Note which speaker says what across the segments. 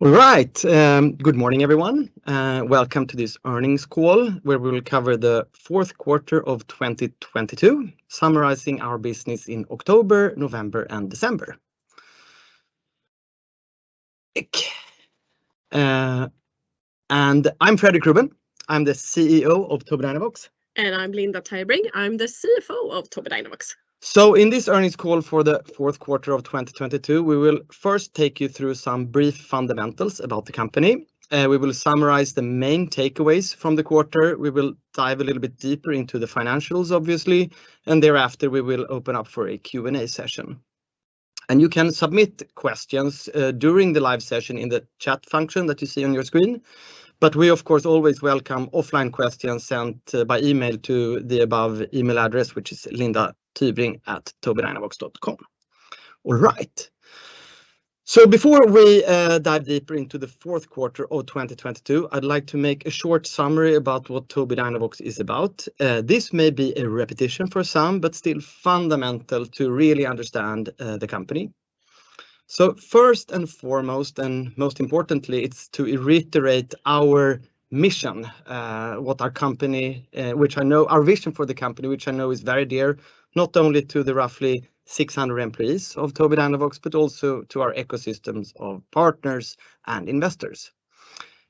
Speaker 1: All right. Good morning, everyone. Welcome to this earnings call, where we'll cover the fourth quarter of 2022, summarizing our business in October, November, and December. I'm Fredrik Ruben. I'm the CEO of Tobii Dynavox.
Speaker 2: I'm Linda Tybring. I'm the CFO of Tobii Dynavox.
Speaker 1: In this earnings call for the Q4 of 2022, we will first take you through some brief fundamentals about the company. We will summarize the main takeaways from the quarter. We will dive a little bit deeper into the financials, obviously, and thereafter we will open up for a Q&A session. You can submit questions during the live session in the chat function that you see on your screen. We of course always welcome offline questions sent by email to the above email address, which is lindatybring@tobiidynavox.com. All right. Before we dive deeper into the Q4 of 2022, I'd like to make a short summary about what Tobii Dynavox is about. This may be a repetition for some, but still fundamental to really understand the company. First and foremost, and most importantly, it's to reiterate our mission. Our vision for the company, which I know is very dear, not only to the roughly 600 employees of Tobii Dynavox, but also to our ecosystems of partners and investors.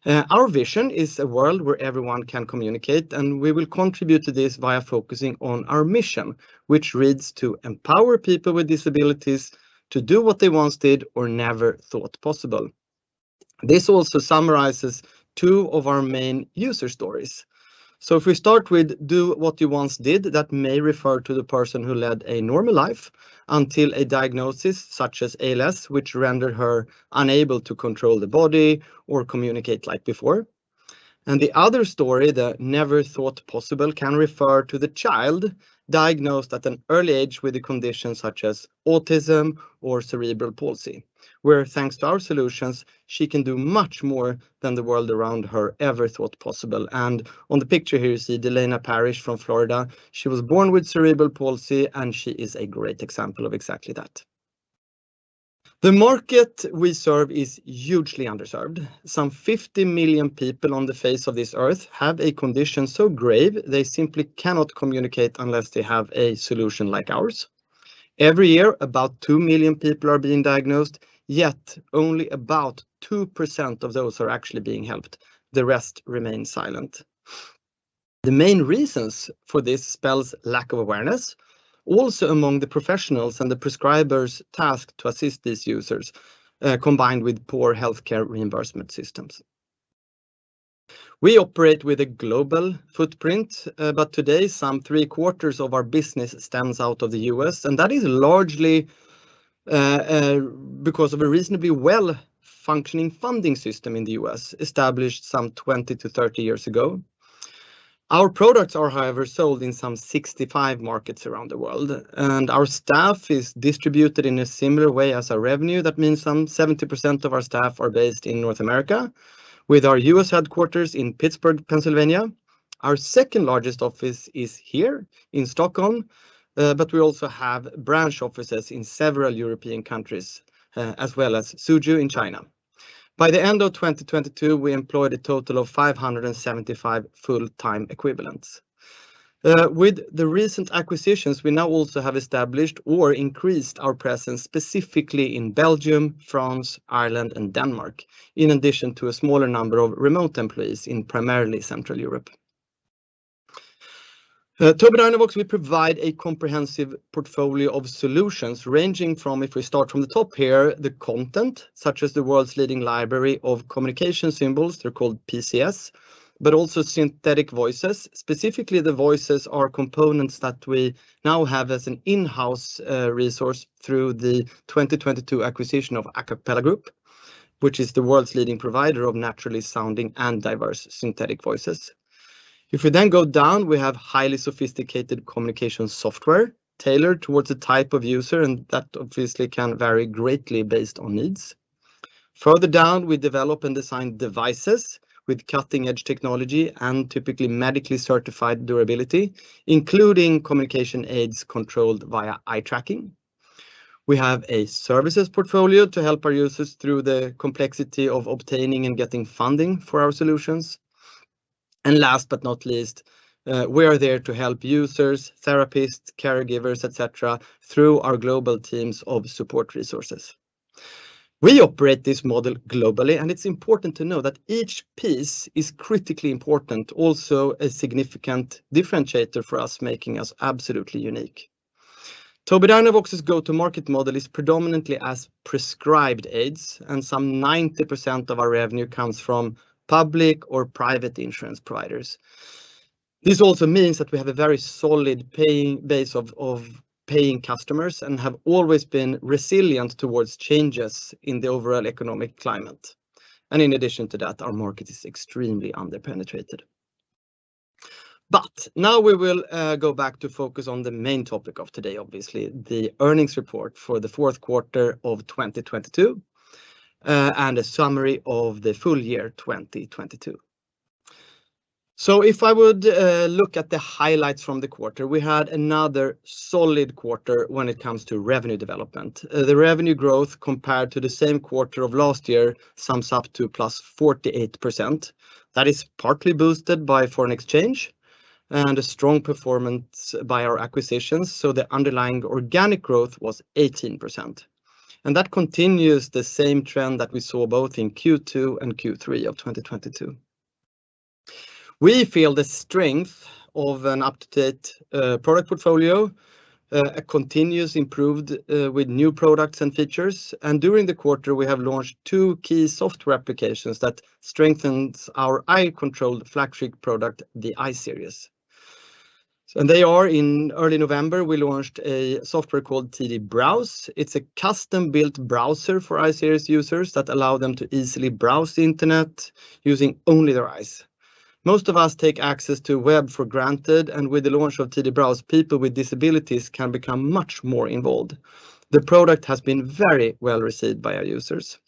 Speaker 1: Our vision is a world where everyone can communicate, and we will contribute to this via focusing on our mission, which reads, "To empower people with disabilities to do what they once did or never thought possible." This also summarizes two of our main user stories. If we start with, do what you once did, that may refer to the person who led a normal life until a diagnosis such as ALS, which rendered her unable to control the body or communicate like before. The other story, the never thought possible, can refer to the child diagnosed at an early age with a condition such as autism or cerebral palsy, where thanks to our solutions, she can do much more than the world around her ever thought possible. On the picture here, you see Delaina Parrish from Florida. She was born with cerebral palsy, and she is a great example of exactly that. The market we serve is hugely underserved. Some 50 million people on the face of this earth have a condition so grave they simply cannot communicate unless they have a solution like ours. Every year, about two million people are being diagnosed, yet only about 2% of those are actually being helped. The rest remain silent. The main reasons for this spells lack of awareness, also among the professionals and the prescribers tasked to assist these users, combined with poor healthcare reimbursement systems. We operate with a global footprint, today some Q3 of our business stems out of the U.S., and that is largely because of a reasonably well-functioning funding system in the U.S., established some 20-30 years ago. Our products are, however, sold in some 65 markets around the world, our staff is distributed in a similar way as our revenue. That means some 70% of our staff are based in North America, with our U.S. headquarters in Pittsburgh, Pennsylvania. Our second largest office is here in Stockholm, we also have branch offices in several European countries, as well as Suzhou in China. By the end of 2022, we employed a total of 575 full-time equivalents. With the recent acquisitions, we now also have established or increased our presence specifically in Belgium, France, Ireland, and Denmark, in addition to a smaller number of remote employees in primarily Central Europe. At Tobii Dynavox, we provide a comprehensive portfolio of solutions ranging from, if we start from the top here, the content, such as the world's leading library of communication symbols, they're called PCS, but also synthetic voices. Specifically, the voices are components that we now have as an in-house resource through the 2022 acquisition of Acapela Group, which is the world's leading provider of naturally sounding and diverse synthetic voices. If we then go down, we have highly sophisticated communication software tailored towards the type of user, and that obviously can vary greatly based on needs. Further down, we develop and design devices with cutting-edge technology and typically medically certified durability, including communication aids controlled via eye tracking. We have a services portfolio to help our users through the complexity of obtaining and getting funding for our solutions. Last but not least, we are there to help users, therapists, caregivers, et cetera, through our global teams of support resources. We operate this model globally, and it's important to know that each piece is critically important, also a significant differentiator for us, making us absolutely unique. Tobii Dynavox's go-to-market model is predominantly as prescribed aids, and some 90% of our revenue comes from public or private insurance providers. This also means that we have a very solid paying base of paying customers and have always been resilient towards changes in the overall economic climate. In addition to that, our market is extremely under-penetrated. Now we will go back to focus on the main topic of today, obviously, the earnings report for the fourth quarter of 2022, and a summary of the full year 2022. If I would look at the highlights from the quarter, we had another solid quarter when it comes to revenue development. The revenue growth compared to the same quarter of last year sums up to +48%. That is partly boosted by foreign exchange and a strong performance by our acquisitions, the underlying organic growth was 18%. That continues the same trend that we saw both in Q2 and Q3 of 2022. We feel the strength of an up-to-date product portfolio continues improved with new products and features. During the quarter, we have launched two key software applications that strengthens our eye-controlled flagship product, the I-Series. In early November, we launched a software called TD Browse. It's a custom-built browser for I-Series users that allow them to easily browse the internet using only their eyes. Most of us take access to web for granted, and with the launch of TD Browse, people with disabilities can become much more involved. The product has been very well received by our users.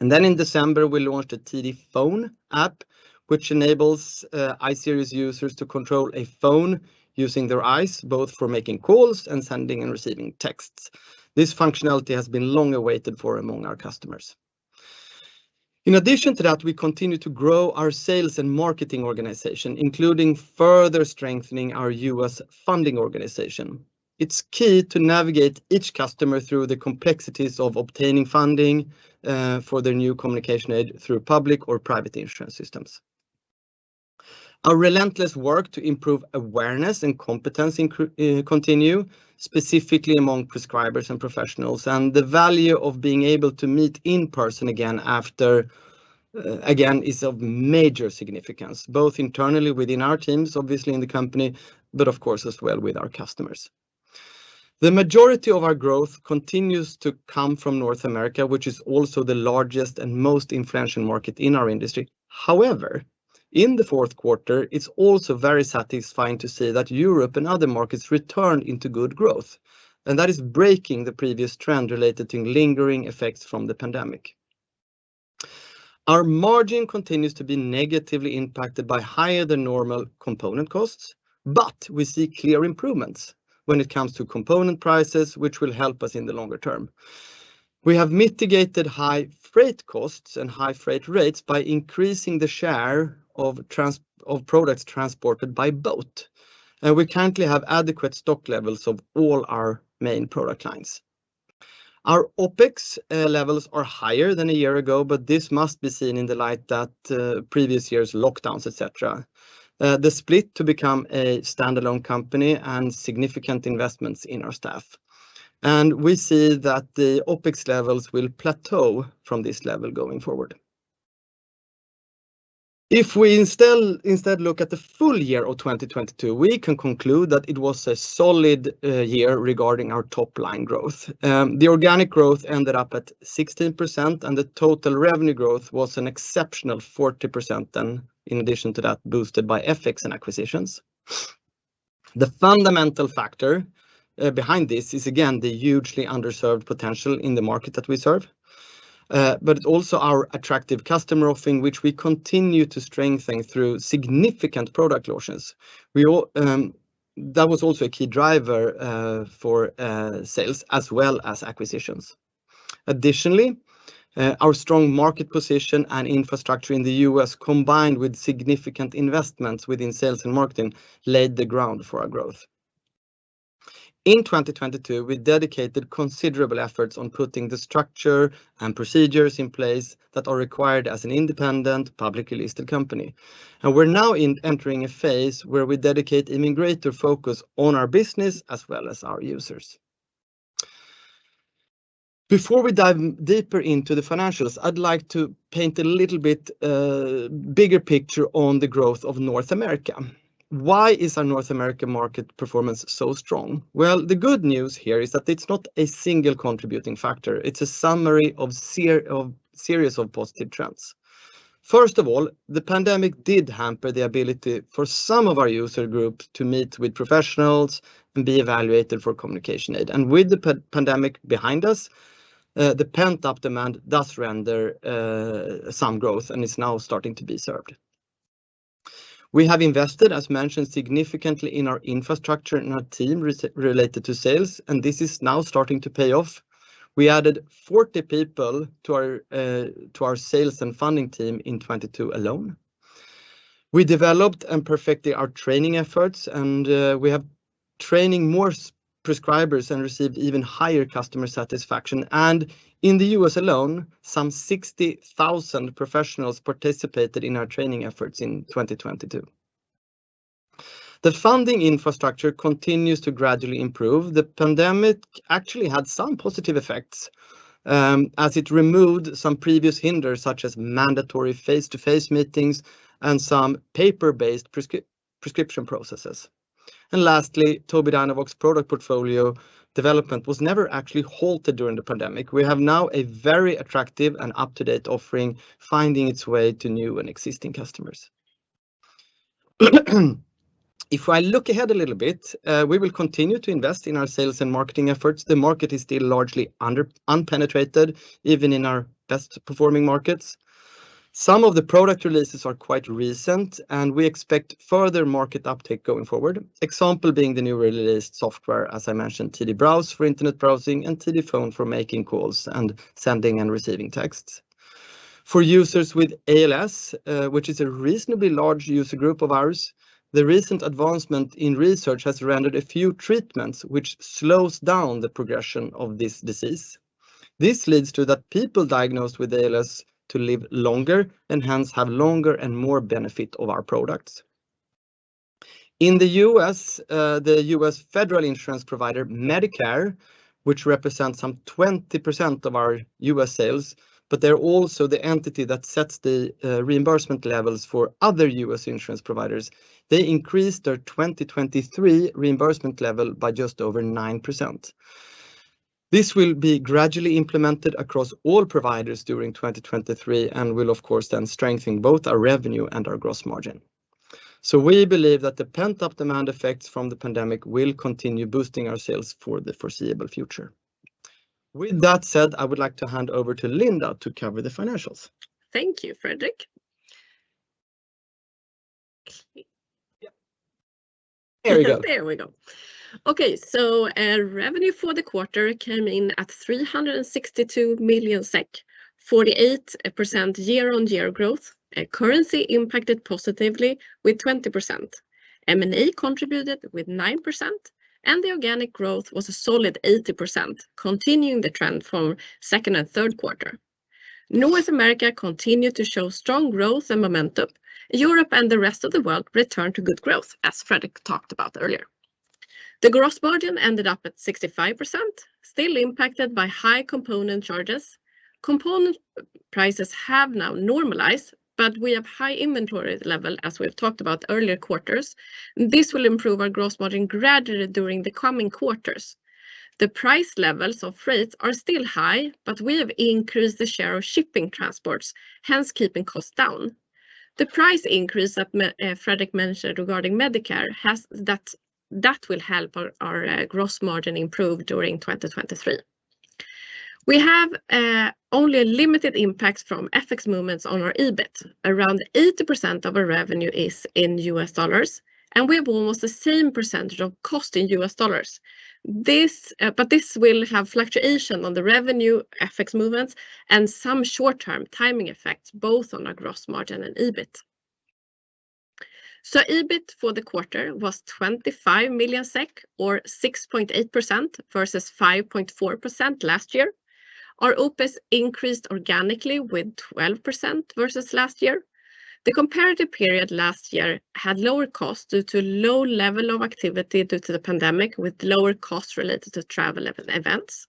Speaker 1: In December, we launched a TD Phone app, which enables I-Series users to control a phone using their eyes, both for making calls and sending and receiving texts. This functionality has been long awaited for among our customers. In addition to that, we continue to grow our sales and marketing organization, including further strengthening our US funding organization. It's key to navigate each customer through the complexities of obtaining funding for their new communication aid through public or private insurance systems. Our relentless work to improve awareness and competence continue, specifically among prescribers and professionals. The value of being able to meet in person again after again, is of major significance, both internally within our teams, obviously in the company, but of course, as well with our customers. The majority of our growth continues to come from North America, which is also the largest and most influential market in our industry. However, in the fourth quarter, it's also very satisfying to see that Europe and other markets return into good growth. That is breaking the previous trend related to lingering effects from the pandemic. Our margin continues to be negatively impacted by higher than normal component costs. We see clear improvements when it comes to component prices, which will help us in the longer term. We have mitigated high freight costs and high freight rates by increasing the share of products transported by boat. We currently have adequate stock levels of all our main product lines. Our OPEX levels are higher than a year ago. This must be seen in the light that previous year's lockdowns, et cetera, the split to become a stand-alone company and significant investments in our staff. We see that the OPEX levels will plateau from this level going forward. If we instead look at the full year of 2022, we can conclude that it was a solid year regarding our top line growth. The organic growth ended up at 16%, and the total revenue growth was an exceptional 40% then, in addition to that, boosted by FX and acquisitions. The fundamental factor behind this is again, the hugely underserved potential in the market that we serve, but also our attractive customer offering, which we continue to strengthen through significant product launches. that was also a key driver for sales as well as acquisitions. Additionally, our strong market position and infrastructure in the US, combined with significant investments within sales and marketing, laid the ground for our growth. In 2022, we dedicated considerable efforts on putting the structure and procedures in place that are required as an independent publicly listed company. We're now entering a phase where we dedicate even greater focus on our business as well as our users. Before we dive deeper into the financials, I'd like to paint a little bit bigger picture on the growth of North America. Why is our North American market performance so strong? Well, the good news here is that it's not a single contributing factor. It's a summary of series of positive trends. First of all, the pandemic did hamper the ability for some of our user groups to meet with professionals and be evaluated for communication aid. With the pandemic behind us, the pent-up demand does render some growth and is now starting to be served. We have invested, as mentioned, significantly in our infrastructure and our team related to sales, and this is now starting to pay off. We added 40 people to our to our sales and funding team in 2022 alone. We developed and perfected our training efforts, we have training more prescribers and received even higher customer satisfaction. In the U.S. alone, some 60,000 professionals participated in our training efforts in 2022. The funding infrastructure continues to gradually improve. The pandemic actually had some positive effects, as it removed some previous hinders, such as mandatory face-to-face meetings and some paper-based prescription processes. Lastly, Tobii Dynavox product portfolio development was never actually halted during the pandemic. We have now a very attractive and up-to-date offering finding its way to new and existing customers. If I look ahead a little bit, we will continue to invest in our sales and marketing efforts. The market is still largely unpenetrated, even in our best performing markets. Some of the product releases are quite recent, we expect further market uptake going forward. Example being the newly released software, as I mentioned, TD Browse for internet browsing, and TD Phone for making calls, and sending and receiving texts. For users with ALS, which is a reasonably large user group of ours, the recent advancement in research has rendered a few treatments which slows down the progression of this disease. This leads to that people diagnosed with ALS to live longer, and hence have longer and more benefit of our products. In the US, the US federal insurance provider, Medicare, which represents some 20% of our US sales, but they're also the entity that sets the reimbursement levels for other US insurance providers, they increased their 2023 reimbursement level by just over 9%. This will be gradually implemented across all providers during 2023, and will of course then strengthen both our revenue and our gross margin. We believe that the pent-up demand effects from the pandemic will continue boosting our sales for the foreseeable future. With that said, I would like to hand over to Linda to cover the financials.
Speaker 2: Thank you, Fredrik. Okay.
Speaker 1: There we go.
Speaker 2: There we go. Okay. Our revenue for the quarter came in at 362 million SEK, 48% year-on-year growth. Currency impacted positively with 20%. M&A contributed with 9%, and the organic growth was a solid 80%, continuing the trend from second and third quarter. North America continued to show strong growth and momentum. Europe and the rest of the world returned to good growth, as Fredrik talked about earlier. The gross margin ended up at 65%, still impacted by high component charges. Component prices have now normalized, but we have high inventory level, as we have talked about earlier quarters. This will improve our gross margin gradually during the coming quarters. The price levels of freights are still high, but we have increased the share of shipping transports, hence keeping costs down. The price increase that Fredrik mentioned regarding Medicare has, that will help our gross margin improve during 2023. We have only a limited impact from FX movements on our EBIT. Around 80% of our revenue is in US dollars, we have almost the same percentage of cost in US dollars. This will have fluctuation on the revenue, FX movements, and some short-term timing effects both on our gross margin and EBIT. EBIT for the quarter was 25 million SEK, or 6.8%, versus 5.4% last year. Our OPEX increased organically with 12% versus last year. The comparative period last year had lower costs due to low level of activity due to the pandemic, with lower costs related to travel events.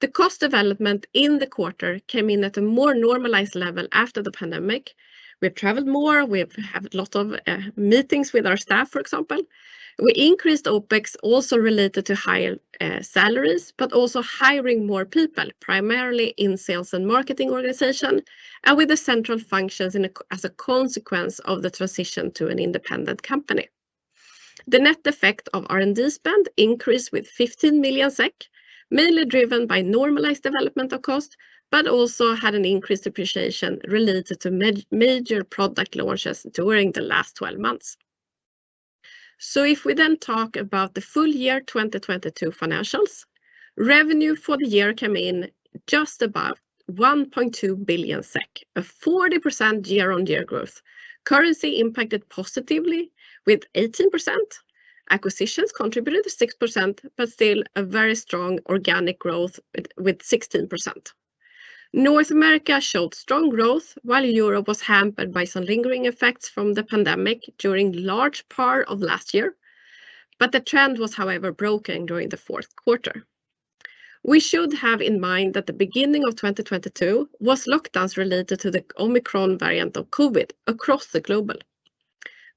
Speaker 2: The cost development in the quarter came in at a more normalized level after the pandemic. We have traveled more. We have had lot of meetings with our staff, for example. We increased OPEX also related to higher salaries, but also hiring more people, primarily in sales and marketing organization, and with the central functions as a consequence of the transition to an independent company. The net effect of R&D spend increased with 15 million SEK, mainly driven by normalized development of cost, but also had an increased depreciation related to major product launches during the last 12 months. If we talk about the full year 2022 financials, revenue for the year came in just above 1.2 billion SEK, a 40% year-on-year growth. Currency impacted positively with 18%. Acquisitions contributed to 6%, still a very strong organic growth with 16%. North America showed strong growth, while Europe was hampered by some lingering effects from the pandemic during large part of last year. The trend was, however, broken during the fourth quarter. We should have in mind that the beginning of 2022 was lockdowns related to the Omicron variant of COVID across the global.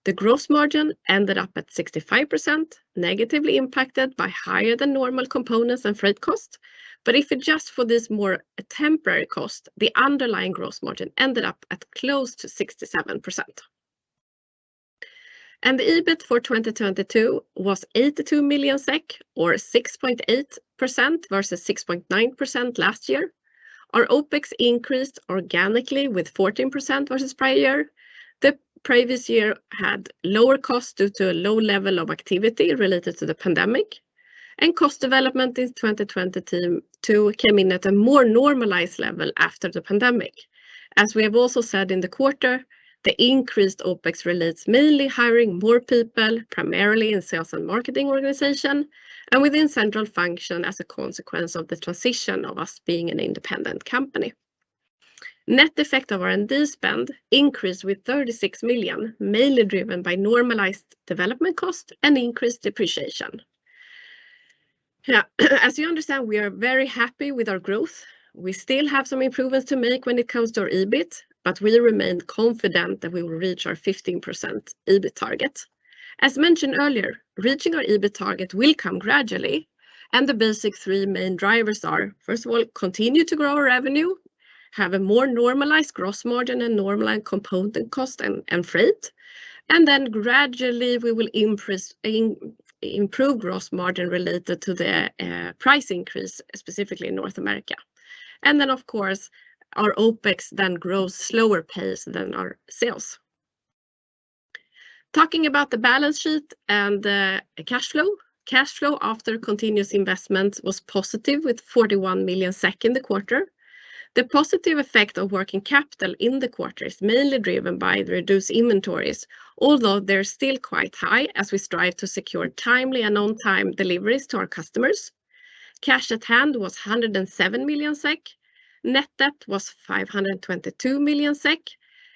Speaker 2: The gross margin ended up at 65%, negatively impacted by higher than normal components and freight costs. If adjusted for this more temporary cost, the underlying gross margin ended up at close to 67%. The EBIT for 2022 was 82 million SEK, or 6.8%, versus 6.9% last year. Our OPEX increased organically with 14% versus prior year. The previous year had lower costs due to a low level of activity related to the pandemic, and cost development in 2022 came in at a more normalized level after the pandemic. As we have also said in the quarter, the increased OPEX relates mainly hiring more people, primarily in sales and marketing organization, and within central function as a consequence of the transition of us being an independent company. Net effect of R&D spend increased with 36 million, mainly driven by normalized development cost and increased depreciation. As you understand, we are very happy with our growth. We still have some improvements to make when it comes to our EBIT. We remain confident that we will reach our 15% EBIT target. As mentioned earlier, reaching our EBIT target will come gradually, and the basic three main drivers are, first of all, continue to grow our revenue, have a more normalized gross margin, and normalized component cost and freight, and then gradually, we will improve gross margin related to the price increase, specifically in North America. Of course, our OPEX then grows slower pace than our sales. Talking about the balance sheet and the cash flow. Cash flow after continuous investments was positive with 41 million SEK in the quarter. The positive effect of working capital in the quarter is mainly driven by the reduced inventories, although they're still quite high as we strive to secure timely and on-time deliveries to our customers. Cash at hand was 107 million SEK. Net debt was 522 million SEK,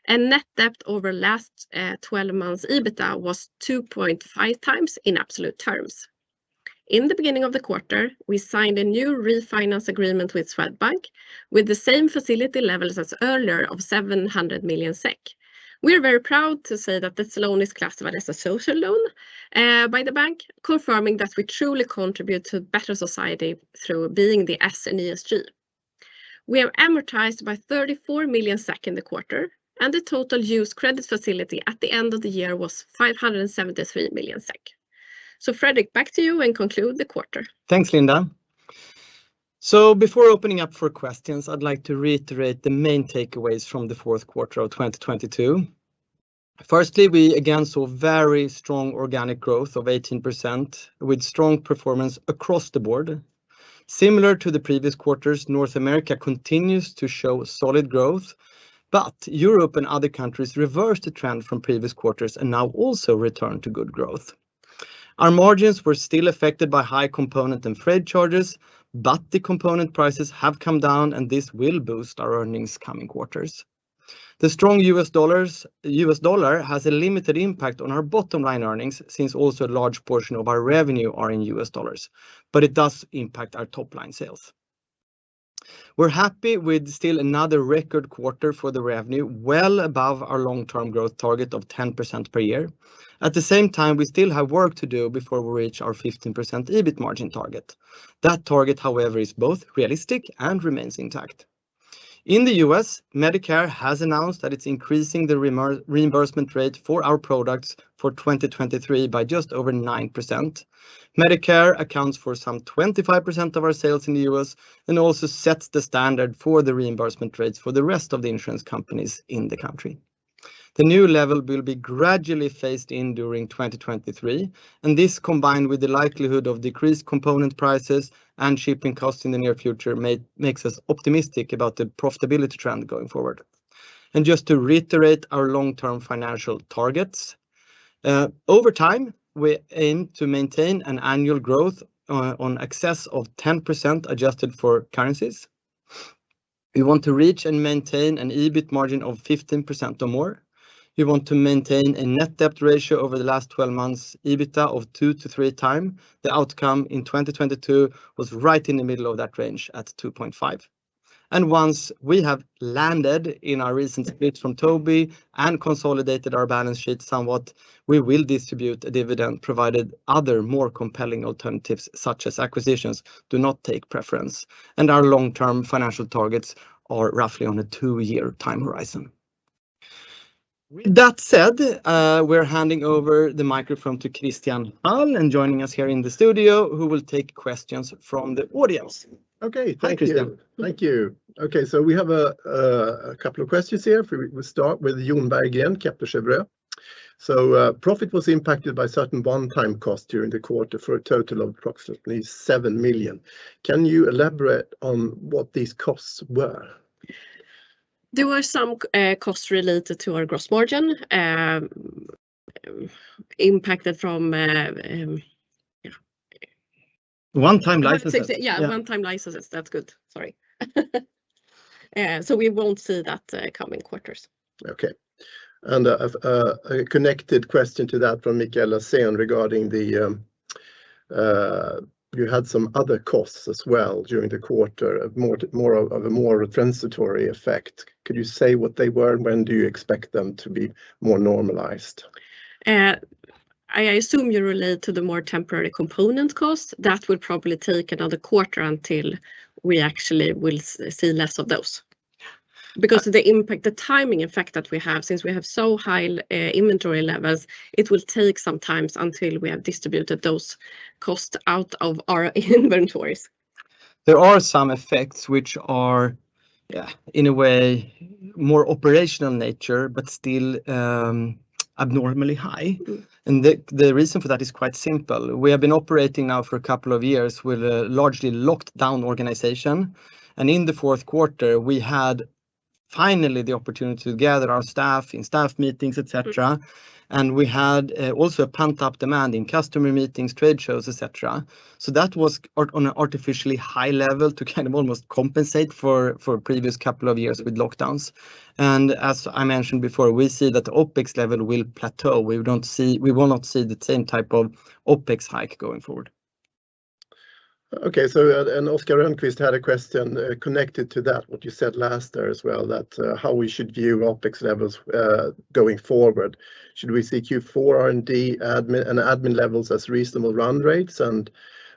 Speaker 2: and net debt over last 12 months EBITDA was 2.5 times in absolute terms. In the beginning of the quarter, we signed a new refinance agreement with Swedbank with the same facility levels as earlier of 700 million SEK. We're very proud to say that this loan is classified as a social loan by the bank, confirming that we truly contribute to a better society through being the S in ESG. We are amortized by 34 million SEK in the quarter, and the total used credit facility at the end of the year was 573 million SEK. Fredrik, back to you, and conclude the quarter.
Speaker 1: Thanks, Linda. Before opening up for questions, I'd like to reiterate the main takeaways from the Q4 of 2022. Firstly, we again saw very strong organic growth of 18% with strong performance across the board. Similar to the previous quarters, North America continues to show solid growth, but Europe and other countries reversed the trend from previous quarters and now also return to good growth. Our margins were still affected by high component and freight charges, but the component prices have come down, and this will boost our earnings coming quarters. The strong US dollar has a limited impact on our bottom line earnings, since also a large portion of our revenue are in US dollars, but it does impact our top-line sales. We're happy with still another record quarter for the revenue, well above our long-term growth target of 10% per year. At the same time, we still have work to do before we reach our 15% EBIT margin target. That target, however, is both realistic and remains intact. In the U.S., Medicare has announced that it's increasing the reimbursement rate for our products for 2023 by just over 9%. Medicare accounts for some 25% of our sales in the U.S. and also sets the standard for the reimbursement rates for the rest of the insurance companies in the country. The new level will be gradually phased in during 2023, and this, combined with the likelihood of decreased component prices and shipping costs in the near future, makes us optimistic about the profitability trend going forward. Just to reiterate our long-term financial targets, over time, we aim to maintain an annual growth on excess of 10% adjusted for currencies. We want to reach and maintain an EBIT margin of 15% or more. We want to maintain a net debt ratio over the last 12 months EBITDA of 2-3x. The outcome in 2022 was right in the middle of that range at 2.5. Once we have landed in our recent splits from Tobii and consolidated our balance sheet somewhat, we will distribute a dividend, provided other more compelling alternatives, such as acquisitions, do not take preference, and our long-term financial targets are roughly on a two-year time horizon. With that said, we're handing over the microphone to Christian Hall and joining us here in the studio, who will take questions from the audience.
Speaker 3: Okay. Thank you.
Speaker 1: Hi, Christian.
Speaker 3: Thank you. We have a couple of questions here. We start with Jonberg again, Kepler Cheuvreux. Profit was impacted by certain one-time costs during the quarter for a total of approximately 7 million. Can you elaborate on what these costs were?
Speaker 2: There were some costs related to our gross margin, impacted from.
Speaker 1: One-time licenses.
Speaker 2: Yeah, one-time licenses. That's good. Sorry. We won't see that coming quarters.
Speaker 3: Okay. A, a connected question to that from Michaela Sen regarding the, you had some other costs as well during the quarter, more of a transitory effect. Could you say what they were? When do you expect them to be more normalized?
Speaker 2: I assume you relate to the more temporary component cost. That will probably take another quarter until we actually will see less of those. Because of the impact, the timing effect that we have, since we have so high inventory levels, it will take some times until we have distributed those costs out of our inventories.
Speaker 1: There are some effects which are, yeah, in a way, more operational in nature, but still abnormally high. The reason for that is quite simple. We have been operating now for a couple of years with a largely locked down organization. In the fourth quarter, we had finally the opportunity to gather our staff in staff meetings, et cetera. We had also a pent-up demand in customer meetings, trade shows, et cetera. That was on an artificially high level to kind of almost compensate for previous couple of years with lockdowns. As I mentioned before, we see that OpEx level will plateau. We will not see the same type of OpEx hike going forward.
Speaker 3: Okay, Oscar Enquist had a question connected to that, what you said last there as well, that how we should view OpEx levels going forward. Should we seek Q4 R&D and admin levels as reasonable run rates?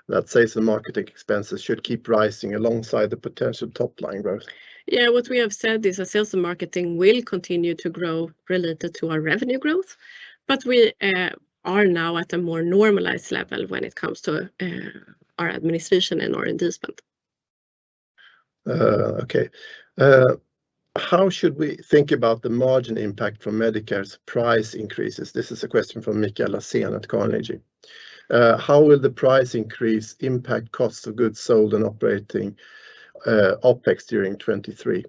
Speaker 3: Let's say some marketing expenses should keep rising alongside the potential top-line growth.
Speaker 2: What we have said is that sales and marketing will continue to grow related to our revenue growth, but we are now at a more normalized level when it comes to our administration and our investment.
Speaker 3: Okay. How should we think about the margin impact from Medicare's price increases? This is a question from Miguel Lasen at Carnegie. How will the price increase impact cost of goods sold and operating OPEX during 2023?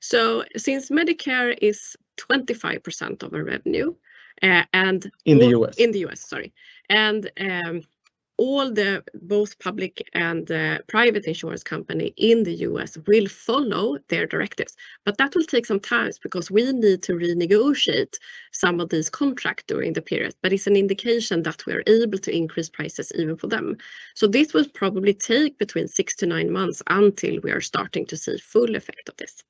Speaker 2: Since Medicare is 25% of our revenue.
Speaker 1: In the U.S....
Speaker 2: in the U.S., sorry, and all the both public and private insurance company in the U.S. will follow their directives. That will take some time because we need to renegotiate some of this contract during the period. It's an indication that we're able to increase prices even for them. This will probably take between six-nine months until we are starting to see full effect of this.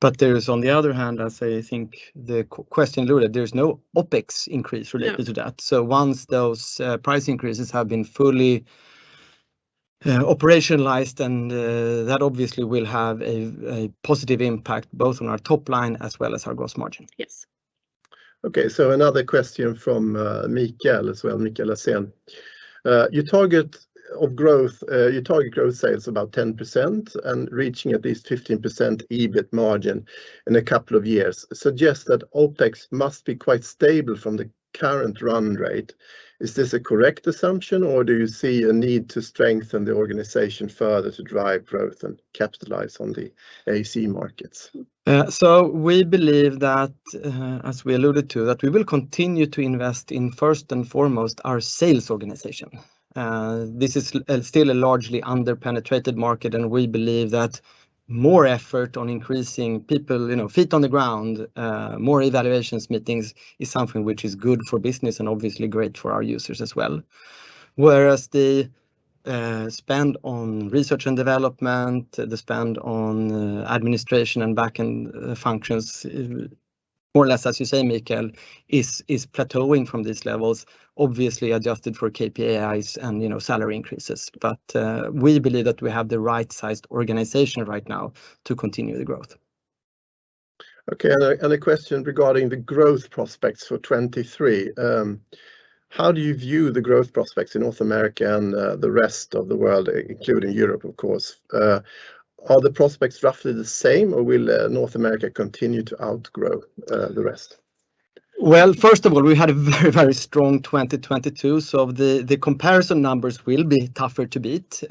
Speaker 1: There is, on the other hand, as I think the question alluded, there's no OPEX increase related.
Speaker 2: No
Speaker 1: to that. Once those price increases have been fully operationalized, that obviously will have a positive impact both on our top line as well as our gross margin.
Speaker 2: Yes.
Speaker 3: Another question from Miguel as well, Miguel Lasen. Your target of growth, your target growth sale is about 10% and reaching at least 15% EBIT margin in a couple of years suggests that OPEX must be quite stable from the current run rate. Is this a correct assumption, or do you see a need to strengthen the organization further to drive growth and capitalize on the AAC markets?
Speaker 1: We believe that, as we alluded to, that we will continue to invest in, first and foremost, our sales organization. This is still a largely under-penetrated market, and we believe that more effort on increasing people, you know, feet on the ground, more evaluations meetings, is something which is good for business and obviously great for our users as well. The spend on R&D, the spend on administration and back end functions, more or less as you say, Miguel, is plateauing from these levels, obviously adjusted for KPIs and, you know, salary increases. We believe that we have the right sized organization right now to continue the growth.
Speaker 3: Okay. A question regarding the growth prospects for 2023. How do you view the growth prospects in North America and the rest of the world, including Europe of course? Are the prospects roughly the same, or will North America continue to outgrow the rest?
Speaker 1: Well, first of all, we had a very, very strong 2022, so the comparison numbers will be tougher to beat.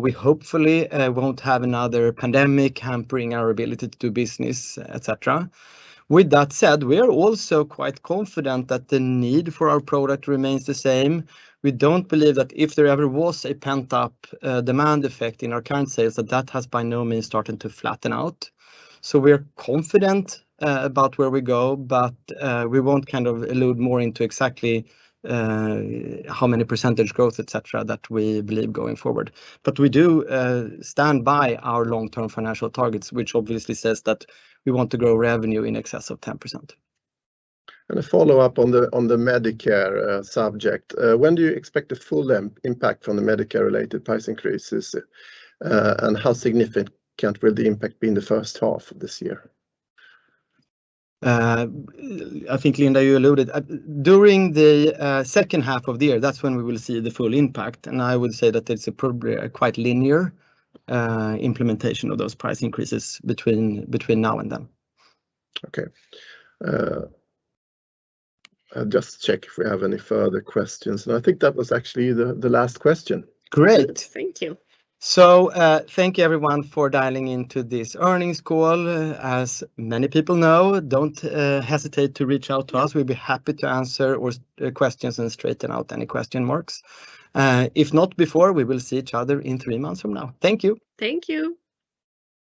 Speaker 1: We hopefully won't have another pandemic hampering our ability to do business, et cetera. With that said, we are also quite confident that the need for our product remains the same. We don't believe that if there ever was a pent-up demand effect in our current sales, that has by no means started to flatten out. We're confident about where we go, but we won't kind of allude more into exactly how many % growth, et cetera, that we believe going forward. We do stand by our long-term financial targets, which obviously says that we want to grow revenue in excess of 10%.
Speaker 3: A follow-up on the Medicare subject. When do you expect the full impact from the Medicare-related price increases, and how significant will the impact be in the first half of this year?
Speaker 1: I think, Linda, you alluded. During the second half of the year, that's when we will see the full impact. I would say that it's probably a quite linear implementation of those price increases between now and then.
Speaker 3: Okay. I'll just check if we have any further questions. No, I think that was actually the last question. Great.
Speaker 2: Good. Thank you.
Speaker 1: Thank you everyone for dialing into this earnings call. As many people know, don't hesitate to reach out to us. We'll be happy to answer questions and straighten out any question marks. If not before, we will see each other in three months from now. Thank you.
Speaker 2: Thank you.